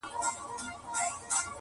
دوو یارانو ته په سرو سترګو ګویا سو!.